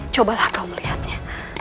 cobalah kau melihatnya